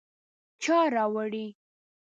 _چا راوړې ؟